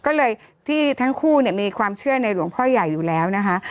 ก็เลยที่ทั้งคู่เนี่ยมีความเชื่อในหลวงพ่อใหญ่อยู่แล้วนะคะ